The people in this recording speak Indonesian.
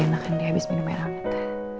semoga enakan dia abis minum air amat